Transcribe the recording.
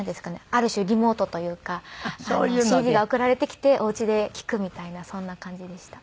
ある種リモートというかＣＤが送られてきてお家で聴くみたいなそんな感じでした。